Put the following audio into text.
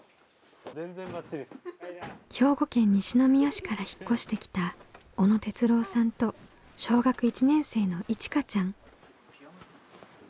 兵庫県西宮市から引っ越してきた小野哲郎さんと小学１年生のいちかちゃん。